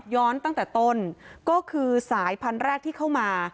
ตั้งแต่ต้นก็คือสายพันธุ์แรกที่เข้ามา